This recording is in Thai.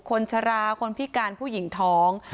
ชะลาคนพิการผู้หญิงท้อง